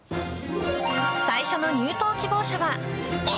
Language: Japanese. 最初の入党希望者は。